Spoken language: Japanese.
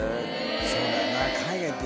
そうだよな。